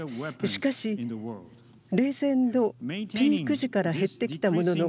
しかし、冷戦のピーク時から減ってきたものの